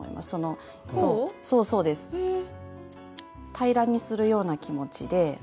平らにするような気持ちで。